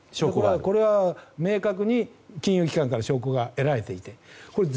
これは、明確に金融機関から証拠が得られているので。